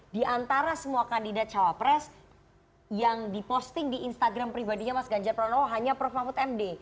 di antara semua kandidat cawapres yang diposting di instagram pribadinya mas ganjar pranowo hanya prof mahfud md